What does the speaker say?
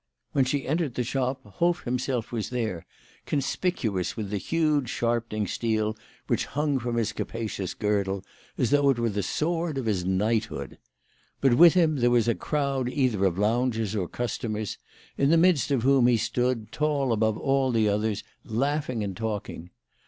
When she entered the shop Hoff himself was there, conspicuous with the huge sharpening steel which hung from his capacious girdle, as though it were the sword of his knighthood. But with him there was a crowd either of loungers or customers, in the midst of whom he stood, tall above all the others, laughing and talking.